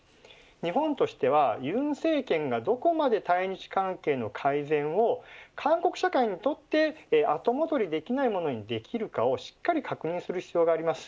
日本としては尹政権がどこまで対日関係の改善を韓国社会にとって後戻りできないものにできるかをしっかり確認する必要があります。